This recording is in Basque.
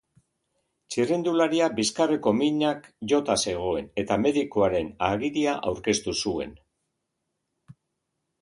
Txirrindularia bizkarreko minak jota zegoen, eta medikuaren agiria aurkeztu zuen.